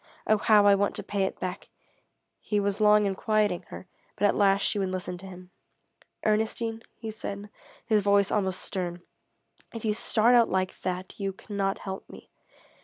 Oh how I want to pay it back!" He was long in quieting her, but at last she would listen to him. "Ernestine," he said, his voice almost stern, "if you start out like that you cannot help me.